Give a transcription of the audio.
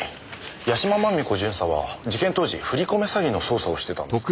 屋島真美子巡査は事件当時振り込め詐欺の捜査をしてたんですか？